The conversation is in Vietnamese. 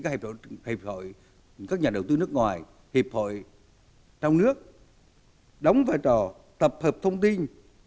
các hiệp hội các nhà đầu tư nước ngoài hiệp hội trong nước đóng vai trò tập hợp thông tin